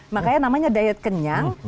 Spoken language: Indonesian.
makanya namanya diet kenyang